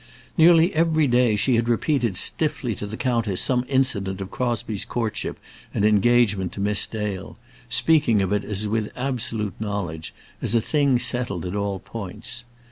Nearly every day she had repeated stiffly to the countess some incident of Crosbie's courtship and engagement to Miss Dale, speaking of it as with absolute knowledge, as a thing settled at all points.